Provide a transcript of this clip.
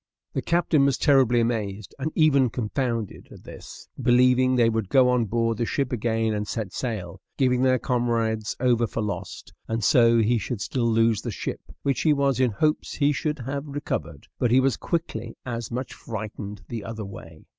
The captain was terribly amazed, and even confounded, at this, believing they would go on board the ship again and set sail, giving their comrades over for lost, and so he should still lose the ship, which he was in hopes we should have recovered; but he was quickly as much frightened the other way.